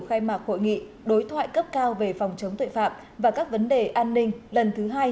khai mạc hội nghị đối thoại cấp cao về phòng chống tội phạm và các vấn đề an ninh lần thứ hai